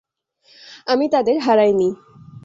আমি তাদের হারাইনি।